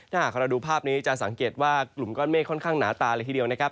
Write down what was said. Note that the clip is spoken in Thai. ถ้าหากเราดูภาพนี้จะสังเกตว่ากลุ่มก้อนเมฆค่อนข้างหนาตาเลยทีเดียวนะครับ